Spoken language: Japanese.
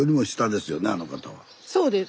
そうです。